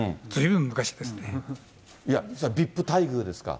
いや、ＶＩＰ待遇ですか？